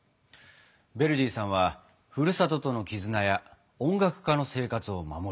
ヴェルディさんはふるさととの絆や音楽家の生活を守る。